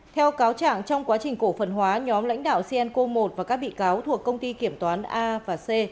theo cáo trạng trong quá trình cổ phần hóa nhóm lãnh đạo cenco một và các bị cáo thuộc công ty kiểm toán a và c